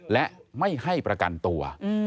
และไม่ให้ประกันตัว